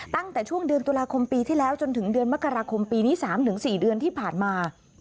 ตั้งแต่ช่วงเดือนตุลาคมปีที่แล้วจนถึงเดือนมกราคมปีนี้๓๔เดือนที่ผ่านมา